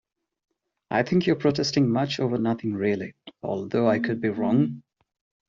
I think you're protesting much over nothing really, although I could be wrong.